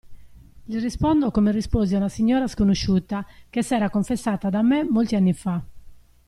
Gli rispondo come risposi a una signora sconosciuta, che s'era confessata da me molti anni fa.